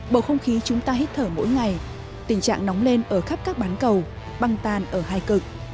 bầu không khí chúng ta hít thở mỗi ngày tình trạng nóng lên ở khắp các bán cầu băng tan ở hai cực